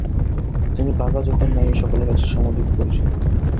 তিনি বাঘা যতীন নামেই সকলের কাছে সমধিক পরিচিত।